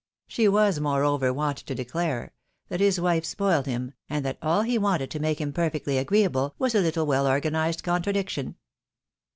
She was, moreover, wont to declare, that his wife spoiled him, and that aU he wanted to make him perfectly agreeable, was a little well organised contradiction.